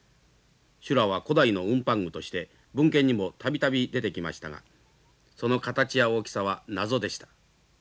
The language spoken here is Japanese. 修羅は古代の運搬具として文献にも度々出てきましたがその形や大きさは謎でした。